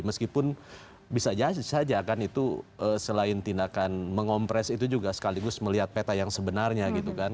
meskipun bisa saja kan itu selain tindakan mengompres itu juga sekaligus melihat peta yang sebenarnya gitu kan